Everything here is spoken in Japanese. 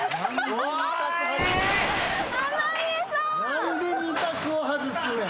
何で２択を外すねん。